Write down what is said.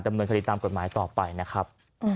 ดำเนินคดีตามกฎหมายต่อไปนะครับ